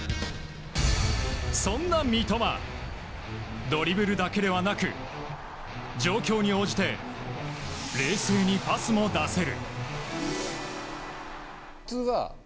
そんな三笘ドリブルだけではなく状況に応じて冷静にパスも出せる。